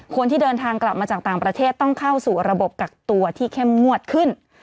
คนที่เดินทางกลับมาจากต่างประเทศต้องเข้าสู่ระบบกักตัวที่เข้มงวดขึ้น